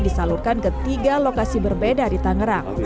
disalurkan ke tiga lokasi berbeda di tangerang